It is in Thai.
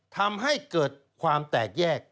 ทำให้เกิดความแตกแยก